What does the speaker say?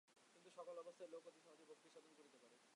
কিন্তু সকল অবস্থার লোক অতি সহজেই ভক্তির সাধন করিতে পারে।